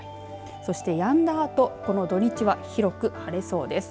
そしてやんだあと、この土日は広く晴れそうです。